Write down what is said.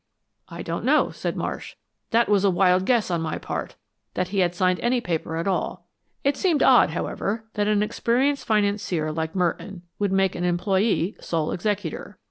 "I don't know," said Marsh. "That was a wild guess on my part; that he had signed any paper at all. It seemed odd, however, that an experienced financier like Merton would make an employee sole executor.